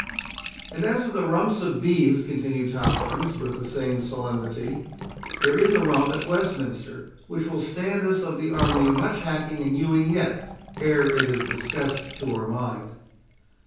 "And as for the rumps of beeves," continued Tomkins, with the same solemnity, "there is a rump at Westminster, which will stand us of the army much hacking and hewing yet, ere it is discussed to our mind."